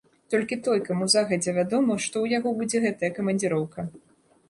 Толькі той, каму загадзя вядома, што ў яго будзе гэтая камандзіроўка.